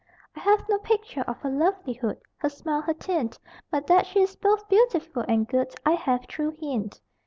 I have no picture of her lovelihood, Her smile, her tint; But that she is both beautiful and good I have true hint.